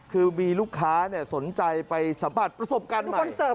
คือมีลูกค้าสนใจไปสัมผัสประสบการณ์ใหม่